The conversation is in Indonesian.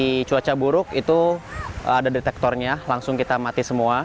di cuaca buruk itu ada detektornya langsung kita mati semua